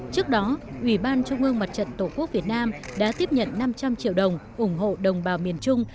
trước đó ủy ban trung ương mặt trận tổ quốc việt nam đã tiếp nhận năm trăm linh triệu đồng ủng hộ đồng bào miền trung